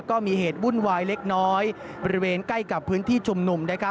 ก็มีเหตุวุ่นวายเล็กน้อยบริเวณใกล้กับพื้นที่ชุมนุม